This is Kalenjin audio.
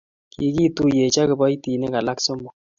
kikituiyech ak kiboitinin alak somok